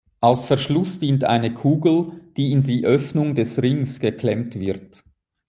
Als Verschluss dient eine Kugel, die in die Öffnung des Rings geklemmt wird.